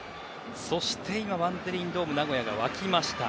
そして、バンテリンドームナゴヤが沸きました。